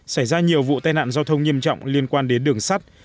xảy ra nhiều vụ tai nạn giao thông nghiêm trọng liên quan đến đường sắt